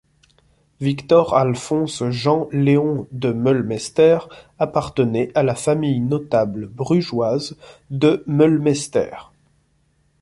Victor Alphonse Jean Léon De Meulemeester appartenait à la famille notable brugeoise De Meulemeester.